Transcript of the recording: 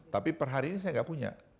tapi per hari ini saya nggak punya